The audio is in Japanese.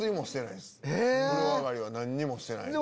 風呂上がりは何もしてないです。